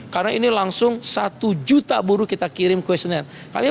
karena ini langsung satu juta buruh kita kirim questionnaire